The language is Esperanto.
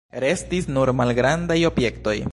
Restis nur malgrandaj objektoj.